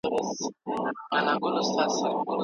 که طبیعي علوم ونه لوستل سي طبیعت نه پېژندل کیږي.